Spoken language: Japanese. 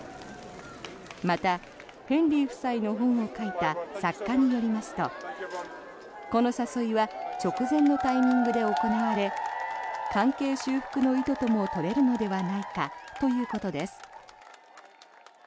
また、ヘンリー夫妻の本を書いた作家によりますとこの誘いは直前のタイミングで行われ関係修復の意図とも取れるのではないかということです。